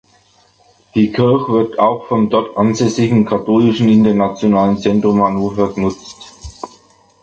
Die Kirche wird auch vom dort ansässigen Katholischen Internationalen Zentrums Hannover genutzt.